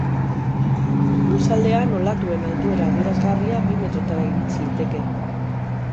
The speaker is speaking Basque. Goizaldean, olatuen altuera adierazgarria bi metrotara irits liteke.